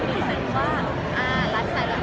มีโครงการทุกทีใช่ไหม